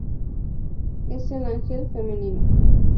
Es el ángel femenino.